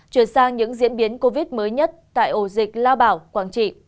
chuyển sang những diễn biến covid mới nhất tại ổ dịch lao bảo quảng trị